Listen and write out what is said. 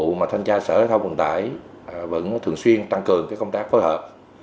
vụ mà thanh tra sở giao thông vận tải vẫn thường xuyên tăng cường công tác phối hợp